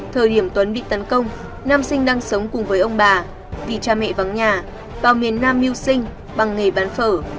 thời điểm tuấn bị tấn công nam sinh đang sống cùng với ông bà vì cha mẹ vắng nhà vào miền nam mưu sinh bằng nghề bán phở